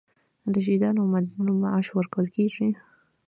د شهیدانو او معلولینو معاش ورکول کیږي؟